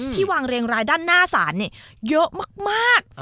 ที่วางเรียงรายด้านหน้าสารเนี่ยเยอะมาก